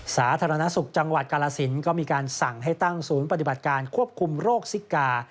สาธารณสุขจังหวัดกาลสินก็มีการสั่งให้ตั้งศูนย์ปฏิบัติการควบคุมโรคซิกา